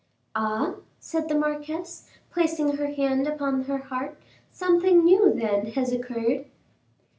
"Ah!" said the marquise, placing her hand upon her heart, "something new, then, has occurred?"